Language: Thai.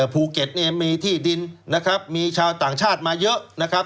ภูเก็ตเนี่ยมีที่ดินนะครับมีชาวต่างชาติมาเยอะนะครับ